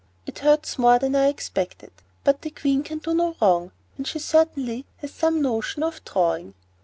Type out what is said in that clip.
It hurts more than I expected; but the Queen can do no wrong; and she certainly has some notion of drawing."